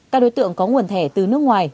các đối tượng có nguồn thẻ từ nước ngoài